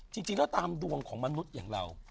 จริงแล้วตามดวงของมนุษย์อย่างเรา